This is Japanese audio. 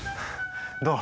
どう？